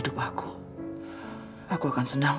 tak ada pengawasan